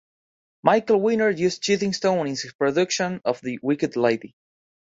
Michael Winner used Chiddingstone in his production of 'The Wicked Lady'.